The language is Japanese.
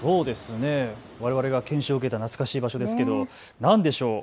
われわれが研修を受けた懐かしい場所ですが、何でしょう。